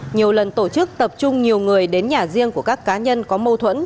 nhiều lần tổ chức tập trung nhiều người đến nhà riêng của các cá nhân có mâu thuẫn